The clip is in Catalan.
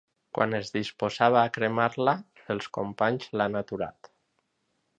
Quan es disposava a cremar-la, els companys l’han aturat.